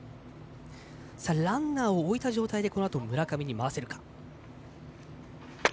ランナーを置いた状態でこのあと村上に回せるか。